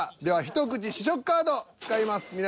では「ひとくち試食カード」使います。